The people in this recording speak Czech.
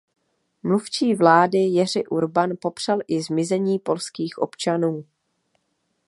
Mluvčí vlády Jerzy Urban popřel i zmizení polských občanů.